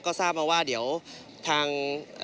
ก็ทราบมาว่าเดี๋ยวทาง